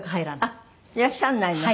いらっしゃらないの？